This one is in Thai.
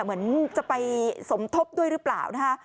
เหมือนจะไปสมทบด้วยหรือเปล่านะคะ